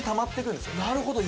なるほど。